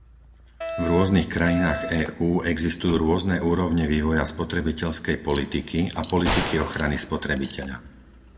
V rôznych krajinách EÚ existujú rôzne úrovne vývoja spotrebiteľskej politiky a politiky ochrany spotrebiteľa.